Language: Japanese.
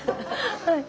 はい。